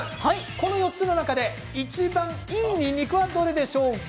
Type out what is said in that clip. この４つの中でいちばんいい、にんにくはどれでしょうか？